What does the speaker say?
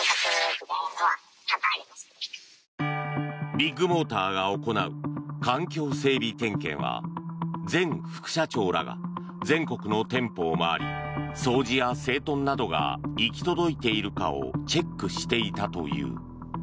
ビッグモーターが行う環境整備点検は前副社長らが全国の店舗を回り掃除や整頓などが行き届いているかをチェックしていたという。